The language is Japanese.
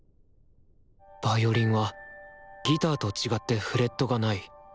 ヴァイオリンはギターと違ってフレットがない。